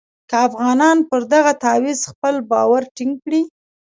که افغانان پر دغه تعویض خپل باور ټینګ کړي.